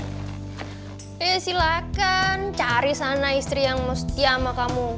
ya silakan cari sana istri yang mau setia sama kamu